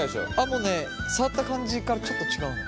もうね触った感じからちょっと違うのよ。